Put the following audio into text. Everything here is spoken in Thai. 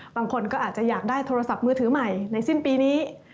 บางคนก็อาจจะอยากได้โทรศัพท์มือถือใหม่ในสิ้นปีนี้